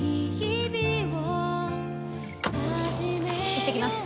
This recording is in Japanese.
行ってきます。